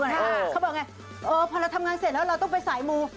เขาบอกไงเออพอเราทำงานเสร็จแล้วเราต้องไปสายมู